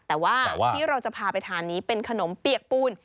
แต่ว่าที่เราจะพาไปทานนี้เป็นขนมเปียกปูน